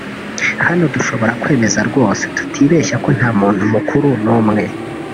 Hano dushobora kwemeza rwose tutibeshya ko nta muntu mukuru n’umwe